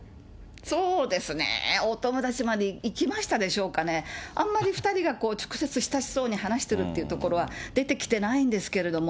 そうですねー、お友達までいきましたでしょうかね、あんまり２人が直接親しそうに話してるってところは出てきてないんですけれども。